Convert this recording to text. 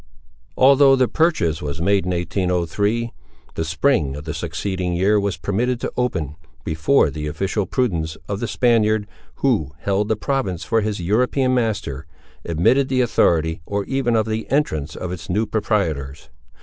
Although the purchase was made in 1803, the spring of the succeeding year was permitted to open, before the official prudence of the Spaniard, who held the province for his European master, admitted the authority, or even of the entrance of its new proprietors.